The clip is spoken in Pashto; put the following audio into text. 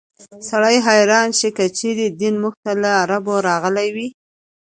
سړی حیران شي که چېرې دین موږ ته له عربو راغلی وي.